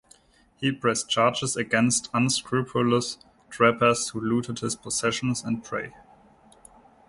He pressed charges against unscrupulous trappers who looted his possessions and prey.